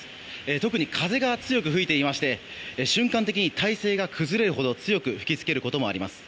特に風が強く吹いていまして瞬間的に体勢が崩れるほど強く吹き付けることもあります。